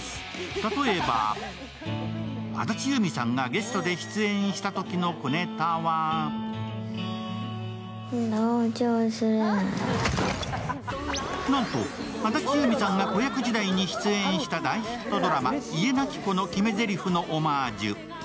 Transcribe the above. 例えば、安達祐実さんがゲストで出演したときの小ネタはなんと、安達祐実さんが子役時代に出演した大ヒットドラマ「家なき子」の決めぜりふのオマージュ。